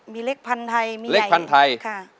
มีเล็กพันธุ์ไทยมีเล็กพันธุ์ไทย